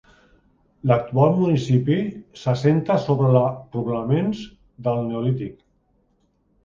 L'actual municipi s'assenta sobre poblaments del neolític.